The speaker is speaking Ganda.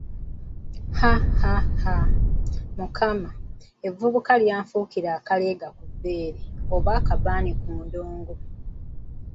Haaa! Mukama, evvubuka lyanfuukira akaleega ku bbeere, oba akabaani ku ndongo.